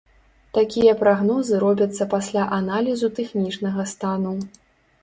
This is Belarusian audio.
Такія прагнозы робяцца пасля аналізу тэхнічнага стану.